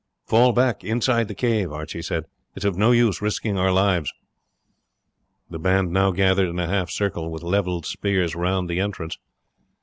"Fall back inside the cave," Archie said; "it is of no use risking our lives." The band now gathered in a half circle, with level spears, round the entrance.